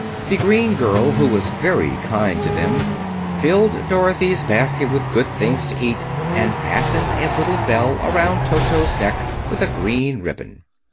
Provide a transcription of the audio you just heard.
The green girl, who was very kind to them, filled Dorothy's basket with good things to eat, and fastened a little bell around Toto's neck with a green ribbon.